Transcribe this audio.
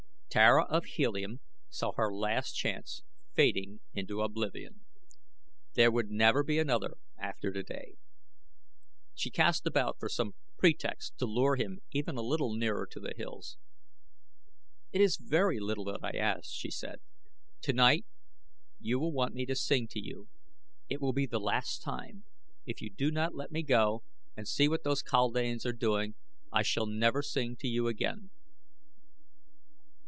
Tara of Helium saw her last chance fading into oblivion. There would never be another after today. She cast about for some pretext to lure him even a little nearer to the hills. "It is very little that I ask," she said. "Tonight you will want me to sing to you. It will be the last time, if you do not let me go and see what those kaldanes are doing I shall never sing to you again."